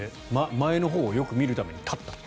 前のほうをよく見るために立った。